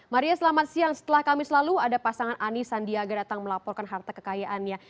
maria selamat siang setelah kami selalu ada pasangan ani sandiaga datang melaporkan harta kekayaannya